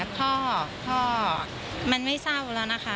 พ่อพ่อมันไม่เศร้าแล้วนะคะ